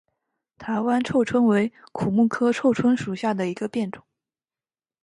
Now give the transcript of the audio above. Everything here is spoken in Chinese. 台湾臭椿为苦木科臭椿属下的一个变种。